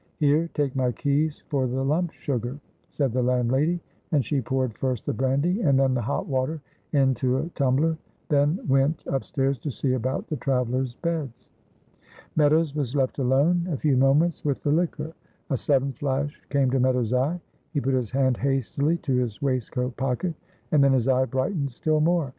"Here, take my keys for the lump sugar," said the landlady, and she poured first the brandy and then the hot water into a tumbler, then went upstairs to see about the travelers' beds. Meadows was left alone a few moments with the liquor. A sudden flash came to Meadows' eye, he put his hand hastily to his waistcoat pocket, and then his eye brightened still more.